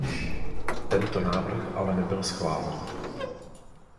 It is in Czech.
Tento návrh ale nebyl schválen.